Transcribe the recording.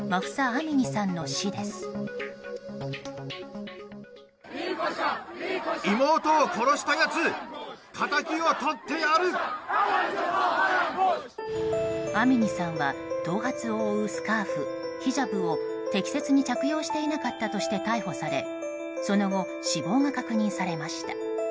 アミニさんは頭髪を覆うスカーフ、ヒジャブを適切に着用していなかったとして逮捕されその後、死亡が確認されました。